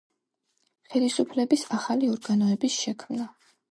ხელისუფლების ახალი ორგანოების შექმნა